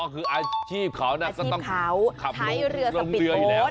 อ๋อคืออาชีพเขาต้องขับลงเรืออยู่แล้ว